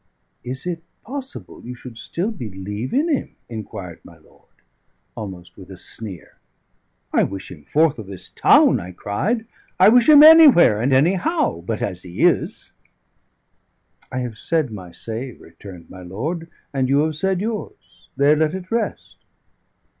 "Is it possible you should still believe in him?" inquired my lord, almost with a sneer. "I wish him forth of this town!" I cried. "I wish him anywhere and anyhow but as he is." "I have said my say," returned my lord, "and you have said yours. There let it rest."